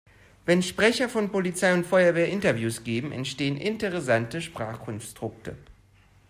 Wenn Sprecher von Polizei und Feuerwehr Interviews geben, entstehen interessante Sprachkonstrukte.